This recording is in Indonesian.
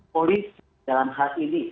polisi dalam hal ini